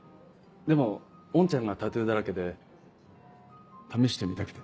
でもオンチャンがタトゥーだらけで試してみたくて。